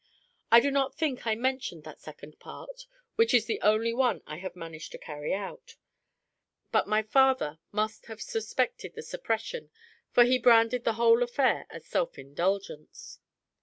I do not think I mentioned that second part, which is the only one I have managed to carry out; but my father must have suspected the suppression, for he branded the whole affair as self indulgence.